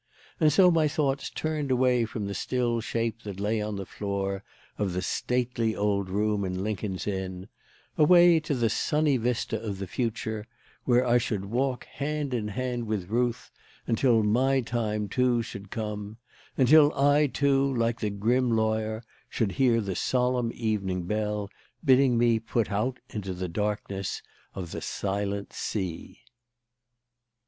And so my thoughts turned away from the still shape that lay on the floor of the stately old room in Lincoln's Inn, away to the sunny vista of the future, where I should walk hand in hand with Ruth until my time, too, should come; until I, too, like the grim lawyer, should hear the solemn evening bell bidding me put out into the darkness of the silent sea.